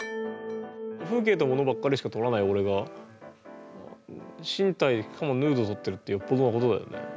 風景とモノばっかりしか撮らないおれが身体しかもヌード撮ってるってよっぽどのことだよね。